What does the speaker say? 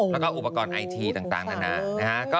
แล้วก็อุปกรณ์ไอทีต่างนานานะฮะ